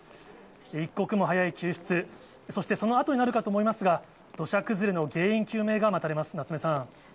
一刻も早い救出、そしてそのあとになるかと思いますが、土砂崩れの原因究明が待たれます、夏目さん。